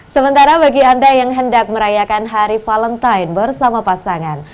sementara bagi anda yang hendak merayakan hari valentine bersama pasangan